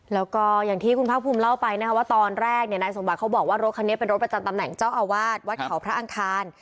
แล้วก็อย่างที่คุณภาคภูมิเล่าไปนะคะว่าตอนแรกเนี่ยนายสมบัติเขาบอกว่ารถคันนี้เป็นรถประจำตำแหน่งเจ้าอาวาสวัดเขาพระอังคาร